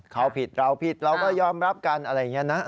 เขาผิดเราผิดเราก็ยอมรับกันอะไรอย่างนี้นะ